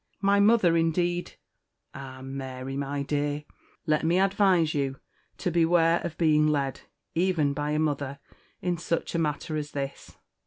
My mother, indeed ". "Ah! Mary, my dear, let me advise you to beware of being led, even by a mother, in such a matter as this.